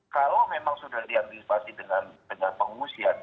kalau memang sudah diantisipasi dengan pengungsian